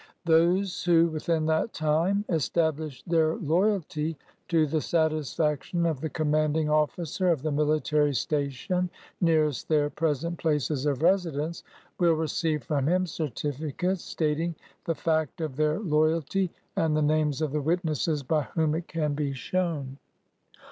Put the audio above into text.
Those who, within that time, establish their loyalty to the satisfaction of the commanding officer of the mili tary station nearest their present places of residence, will receive from him certificates stating the fact of their loy alty and the names of the witnesses by whom it can be shown.